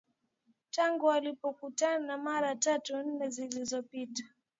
tangu walipokutana mara tatu nne zilizopita